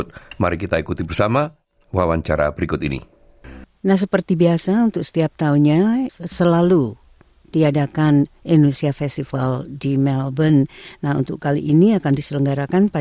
terima kasih sekali ibu risika